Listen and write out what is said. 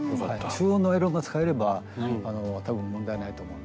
中温のアイロンが使えれば多分問題ないと思います。